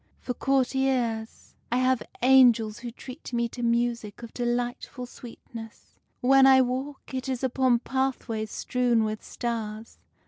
For courtiers, I have angels who treat me to music of delightful sweetness. When I walk, it is upon pathways strewn with stars.